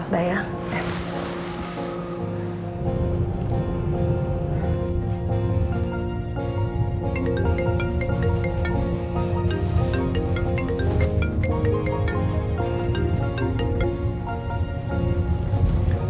aku datang foto